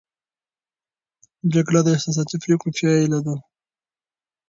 جګړه د احساساتي پرېکړو پایله ده.